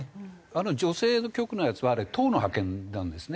あの女性局のやつはあれ党の派遣なんですね。